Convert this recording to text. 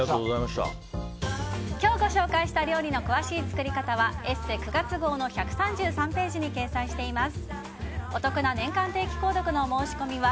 今日ご紹介した料理の詳しい作り方は「ＥＳＳＥ」９月号の１３３ページに掲載しています。